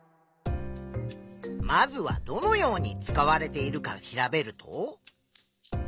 まずはどのように使われているか調べると？